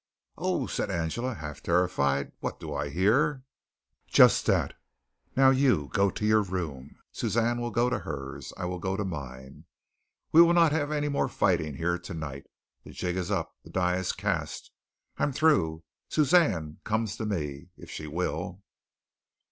"Oh!" said Angela, half terrified, "what do I hear?" "Just that. Now you go to your room. Suzanne will go to hers. I will go to mine. We will not have any more fighting here tonight. The jig is up. The die is cast. I'm through. Suzanne comes to me, if she will."